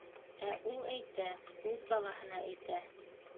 Ә ул әйтә, үҙ балаһына әйтә.